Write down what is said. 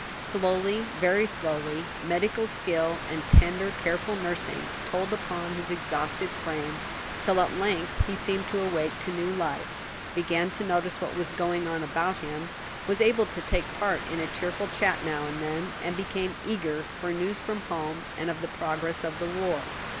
Slowly, very slowly, medical skill and tender, careful nursing told upon his exhausted frame till at length he seemed to awake to new life, began to notice what was going on about him, was able to take part in a cheerful chat now and then, and became eager for news from home and of the progress of the war.